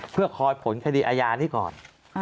เพื่อคอยผลคดีอาญานี้ก่อน